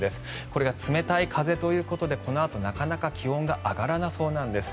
これが冷たい風ということでこのあと、なかなか気温が上がらなさそうなんです。